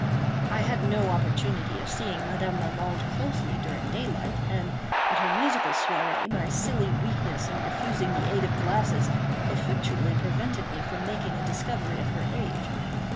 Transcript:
I had no opportunity of seeing Madame Lalande closely during daylight; and, at her musical soirée, my silly weakness in refusing the aid of glasses effectually prevented me from making a discovery of her age.